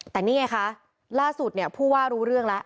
แต่นี่ไงคะล่าสุดเนี่ยผู้ว่ารู้เรื่องแล้ว